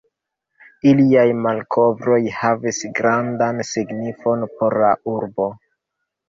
Iliaj malkovroj havis grandan signifon por la urbo.